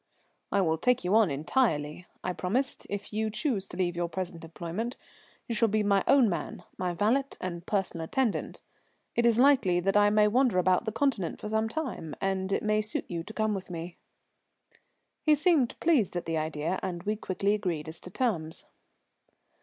"I will take you on entirely," I promised, "if you choose to leave your present employment. You shall be my own man, my valet and personal attendant. It is likely that I may wander about the Continent for some time, and it may suit you to come with me." He seemed pleased at the idea, and we quickly agreed as to terms.